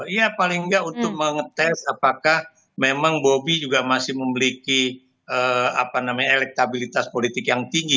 iya paling enggak untuk mengetes apakah memang bobi juga masih memiliki elektabilitas politik yang tinggi